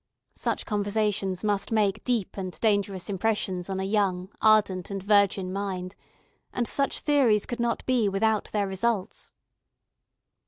Such conversations must make deep and dangerous impressions on a young, ardent, and virgin mind, and such theories could not be without their results.